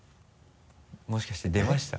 もしかして出ました？